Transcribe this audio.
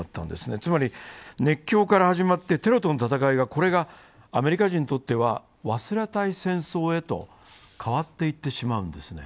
つまり、熱狂から始まってテロとの戦いがアメリカ人にとっては忘れたい戦争へと変わっていってしまうんですね。